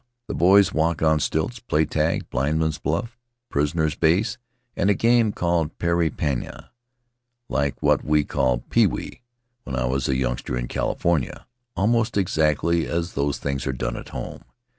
The bovs walk on stilts, play tag, blindman's buff, prisoner's base, In the Valley of Vaitia and a game called Pere Pana, like what we called Pewee when I was a youngster in California — almost exactly as these things are done at home.